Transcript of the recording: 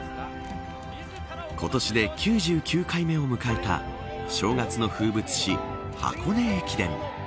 今年で９９回目を迎えた正月の風物詩、箱根駅伝。